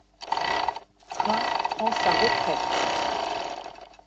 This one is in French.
Train prend sa retraite.